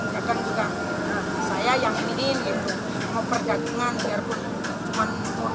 kadang juga saya yang ini mau pergantungan biarpun modal modal luar